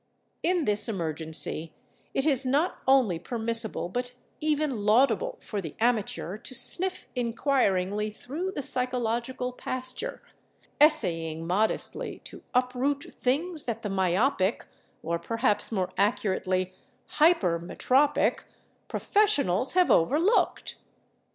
In this emergency it is not only permissible but even laudable for the amateur to sniff inquiringly through the psychological pasture, essaying modestly to uproot things that the myopic (or, perhaps more accurately, hypermetropic) professionals have overlooked.